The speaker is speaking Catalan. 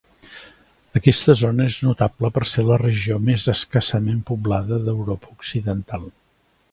Aquesta zona és notable per ser la regió més escassament poblada d'Europa occidental.